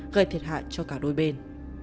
gây thiệt hại cho cả đôi bên